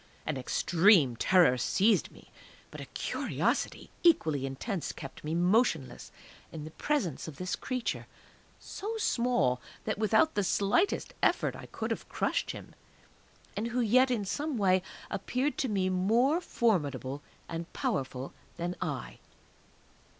An extreme terror seized me; but a curiosity equally intense kept me motionless in the presence of this creature so small that without the slightest effort I could have crushed him, and who yet in some way appeared to me more formidable and powerful than I.